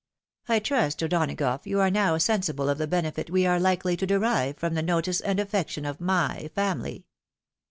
I trust, O'Donagough, you are now sen lible of the benefit we are likely to derive from the notice and affection of my family."